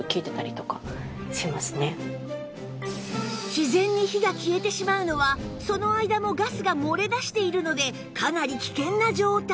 自然に火が消えてしまうのはその間もガスが漏れ出しているのでかなり危険な状態